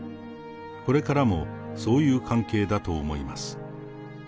これからもそういう関係だと思います。